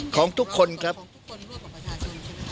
ของทุกคนร่วมกับประชาชนใช่ไหม